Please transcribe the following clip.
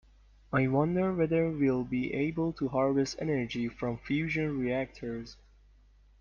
I wonder whether we will be able to harvest energy from fusion reactors.